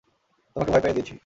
তোমাকে ভয় পাইয়ে দিয়েছি।